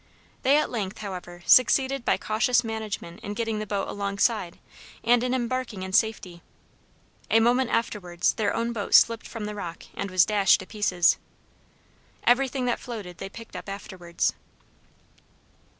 They, at length, however, succeeded by cautious management in getting the boat alongside, and in embarking in safety. A moment afterwards their own boat slipped from the rock, and was dashed to pieces. Everything that floated they picked up afterwards.